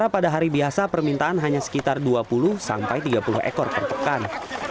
pada hari biasa permintaan hanya sekitar dua puluh sampai tiga puluh ekor per pekan